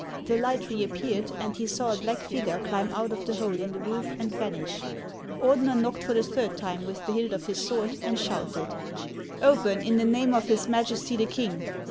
The light reappeared, and he saw a black figure climb out of the hole in the roof and vanish. Ordener knocked for the third time with the hilt of his sword, and shouted :" Open, in the name of his Majesty the King